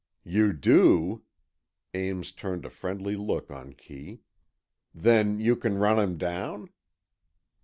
"You do!" Ames turned a friendly look on Kee. "Then you can run him down?"